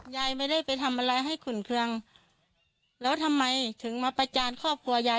ยายไม่ได้ไปทำอะไรให้ขุ่นเครื่องแล้วทำไมถึงมาประจานครอบครัวยาย